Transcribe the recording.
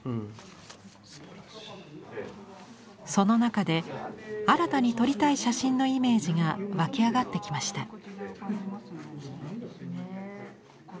その中で新たに撮りたい写真のイメージが湧き上がってきました。